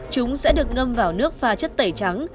chúng sẽ được ngâm vào nước pha chất tẩy trắng